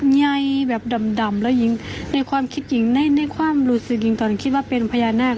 ใยแบบดำแล้วหญิงในความคิดหญิงในความรู้สึกหญิงตอนคิดว่าเป็นพญานาค